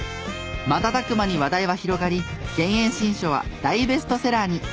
瞬く間に話題は広がり減塩新書は大ベストセラーに。